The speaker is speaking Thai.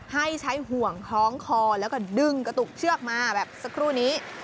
ให้ใช้ห่วงคล้องคอแล้วก็ดึงกระตุกเชือกมาแบบสักครู่นี้